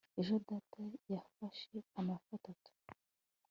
ejo data yafashe amafi atatu